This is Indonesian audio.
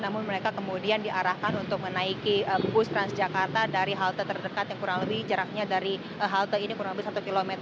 namun mereka kemudian diarahkan untuk menaiki bus transjakarta dari halte terdekat yang kurang lebih jaraknya dari halte ini kurang lebih satu km